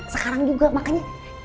sekarang juga makanya